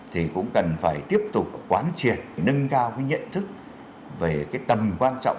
thì cũng cần phải tiếp tục quán triệt nâng cao cái nhận thức về cái tầm quan trọng